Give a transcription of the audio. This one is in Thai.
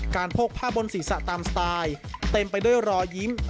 โพกผ้าบนศีรษะตามสไตล์เต็มไปด้วยรอยยิ้ม